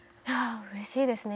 うれしいですね。